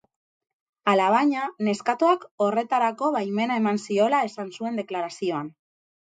Alabaina, neskatoak horretarako baimena eman ziola esan zuen deklarazioan.